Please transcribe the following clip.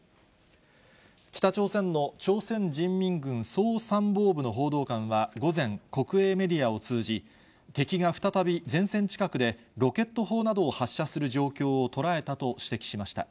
北朝鮮の朝鮮人民軍総参謀部の報道官は午前、国営メディアを通じ、敵が再び前線近くでロケット砲などを発射する状況を捉えたと指摘しました。